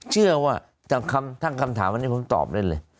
เชื่อว่าทั้งคำถามวันนี้ผมตอบได้เลย